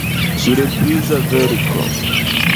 Surpriza verko!